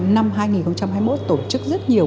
năm hai nghìn hai mươi một tổ chức rất nhiều